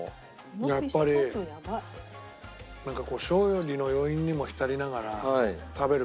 やっぱりなんかこう勝利の余韻にも浸りながら食べる